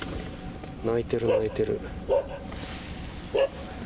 鳴いてる、鳴いてる。